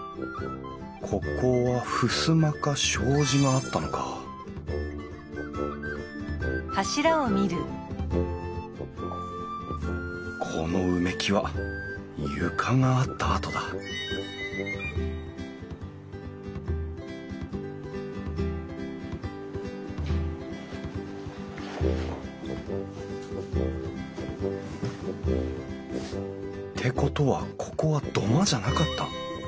ここは襖か障子があったのかこの埋木は床があった跡だってことはここは土間じゃなかった。